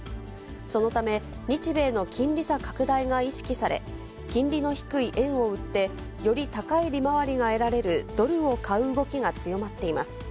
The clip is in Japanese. そのため、日米の金利差拡大が意識され、金利の低い円を売って、より高い利回りが得られるドルを買う動きが強まっています。